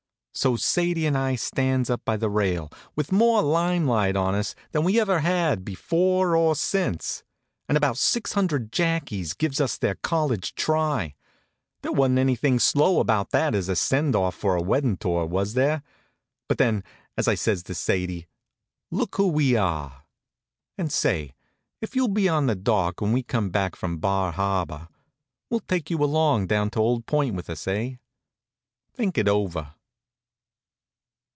So Sadie and I stands up by the rail, with more lime light on us than we ever had before or since, and about six hundred Jackies gives us their college cry. There wa'n't anything slow about that as a send off for a weddin' tour, was there? But then, as I says to Sadie: "Look who we are." And say, if you'll be on the dock when we come back from Bar Harbor, we'll take you along down to Old Point with us. Eh? Think it over.